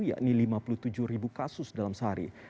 yakni lima puluh tujuh ribu kasus dalam sehari